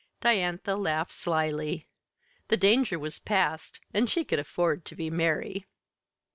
Diantha laughed slyly. The danger was past, and she could afford to be merry.